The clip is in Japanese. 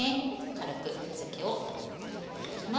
軽く水けを拭いていきます。